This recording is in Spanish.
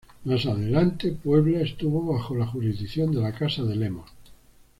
Más adelante Puebla estuvo bajo la jurisdicción de la casa de Lemos.